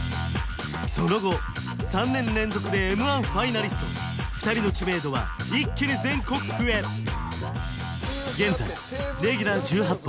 その後３年連続で「Ｍ−１」ファイナリスト２人の知名度は一気に全国区へ現在レギュラー１８本